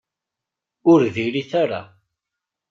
Ur diri-t ara.